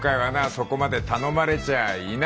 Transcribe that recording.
そこまで頼まれちゃいない。